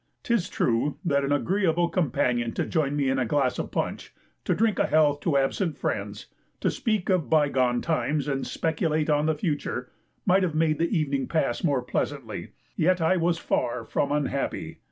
'Tis true that an agreeable companion to join me in a glass of punch, to drink a health to absent friends, to speak of by gone times and speculate on the future, might have made the evening pass more pleasantly, yet I was far from unhappy.